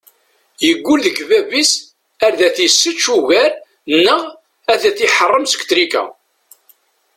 Yeggul deg bab-is ar ad t-issečč ugar neɣ ad t-iḥeṛṛem seg trika.